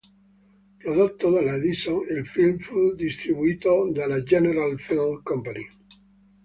Prodotto dalla Edison, il film fu distribuito dalla General Film Company.